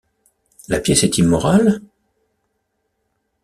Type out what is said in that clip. La pièce est immorale?